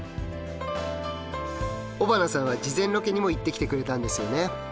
尾花さんは事前ロケにも行ってきてくれたんですよね？